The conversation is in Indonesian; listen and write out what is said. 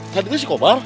tadi gak si komar